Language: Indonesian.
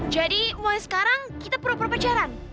jadi mau sekarang kita perupacaran